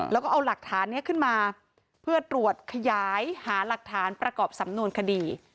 แล้วก็เอาหลักฐานนี้ขึ้นมาเพื่อตรวจขยายหาหลักฐานประกอบสำนวนคดี